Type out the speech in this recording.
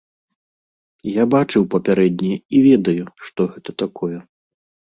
Я бачыў папярэднія і ведаю, што гэта такое.